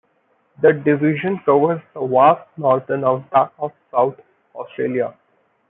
The division covers the vast northern outback of South Australia.